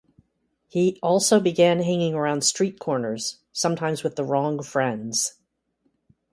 He also began hanging around street corners, sometimes with the wrong friends.